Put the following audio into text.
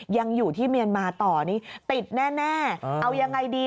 ยังอยู่ที่เมียนมาต่อนี่ติดแน่เอายังไงดี